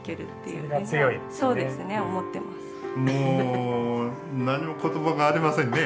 もう何も言葉がありませんね。